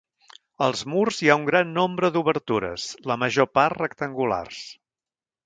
Als murs hi ha gran nombre d'obertures, la major part rectangulars.